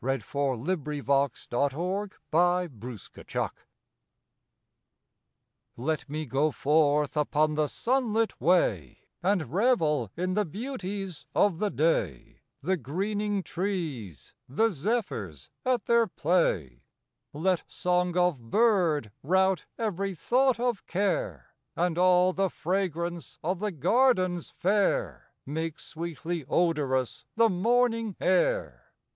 April Thirtieth A MAY DAY WHIM T ET me go forth upon the sunlit way And revel in the beauties of the day, The greening trees, the zephyrs at their play. Let song of bird rout every thought ol care, And all the fragrance of the gardens fair Make sweetly odorous the morning air.